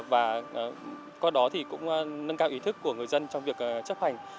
và qua đó thì cũng nâng cao ý thức của người dân trong việc chấp hành